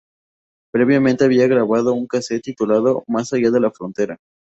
Previamente había grabado un casete titulado "Más allá de la frontera".